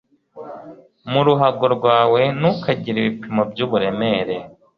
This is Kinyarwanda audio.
mu ruhago rwawe ntukagire ibipimo by uburemere